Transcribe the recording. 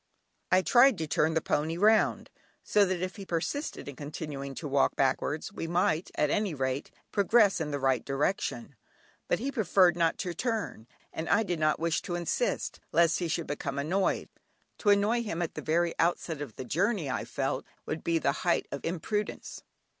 I tried to turn the pony round, so that if he persisted in continuing to walk backwards, we might at any rate progress in the right direction, but he preferred not to turn, and I did not wish to insist, lest he should become annoyed; to annoy him at the very outset of the journey I felt would be the height of imprudence.